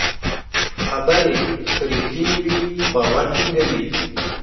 خبرې که رښتینې وي، باور ټینګوي.